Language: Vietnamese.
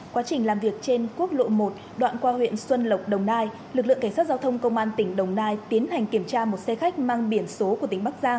quá trình làm việc trên quốc lộ một đoạn qua huyện xuân lộc đồng nai lực lượng cảnh sát giao thông công an tỉnh đồng nai tiến hành kiểm tra một xe khách mang biển số của tỉnh bắc giang